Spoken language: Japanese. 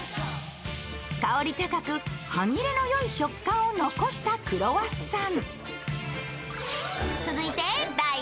香り高く、歯切れのよい食感を残したクロワッサン。